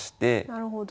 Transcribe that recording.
なるほど。